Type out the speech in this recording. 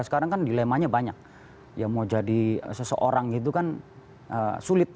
sekarang kan dilemanya banyak ya mau jadi seseorang itu kan sulit